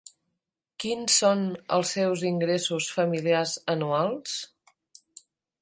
Quins són els seus ingressos familiars anuals?